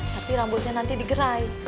tapi rambutnya nanti digerai